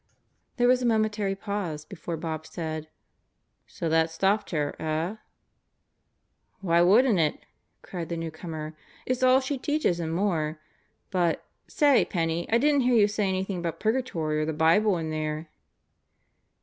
There was a momentary pause before Bob said, "So that stopped her, eh?" "Why wouldn't it?" cried the newcomer. "It's all she teaches and more. But, say Penney, I didn't hear you say anything about Purgatory or the Bible in there."